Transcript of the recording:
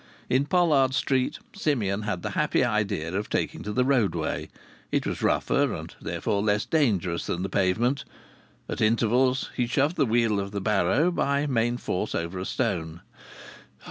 In Pollard Street Simeon had the happy idea of taking to the roadway. It was rougher, and, therefore, less dangerous, than the pavement. At intervals he shoved the wheel of the barrow by main force over a stone.